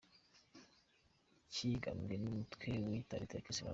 Cyigambwe n'umutwe wiyita leta ya kisilamu.